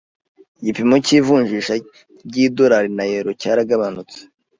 Igipimo cy'ivunjisha ry'idolari na euro cyaragabanutse.